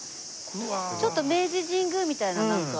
ちょっと明治神宮みたいななんか。